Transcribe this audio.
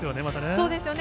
そうですよね。